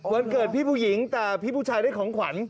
วันเกิดพี่ผู้หญิงแต่พี่ผู้ชายได้ของขวัญ